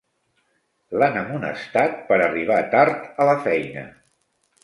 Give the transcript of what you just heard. L'han amonestat per arribar tard a la feina.